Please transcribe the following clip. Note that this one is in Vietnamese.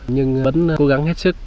nhưng vẫn cố gắng hết sức